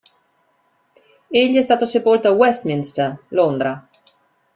Egli è stato sepolto a Westminster, Londra.